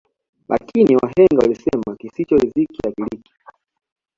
Lakini wahenga walisema kisicho riziki akiliki